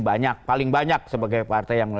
banyak paling banyak sebagai partai yang